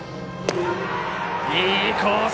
いいコース。